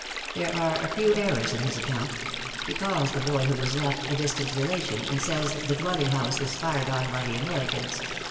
There are a few errors in his account; he calls the boy who was left, "a distant relation," and says the dwelling house was fired on by the Americans.